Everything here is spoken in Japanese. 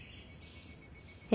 え。